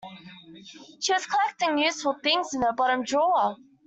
She was collecting useful things in her bottom drawer